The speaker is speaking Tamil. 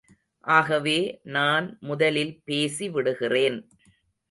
ஆகவே நான் முதலில் பேசி விடுகிறேன்.